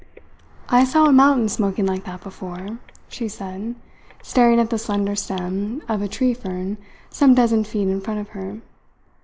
"I saw a mountain smoking like that before," she said, staring at the slender stem of a tree fern some dozen feet in front of her.